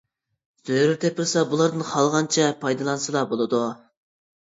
زۆرۈر تېپىلسا بۇلاردىن خالىغانچە پايدىلانسىلا بولىدۇ.